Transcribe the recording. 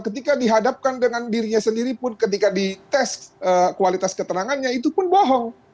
ketika dihadapkan dengan dirinya sendiri pun ketika dites kualitas keterangannya itu pun bohong